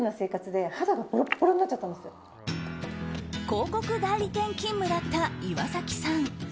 広告代理店勤務だった岩崎さん。